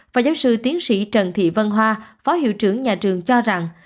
và giám sư tiến sĩ trần thị vân hoa phó hiệu trưởng nhà trường cho rằng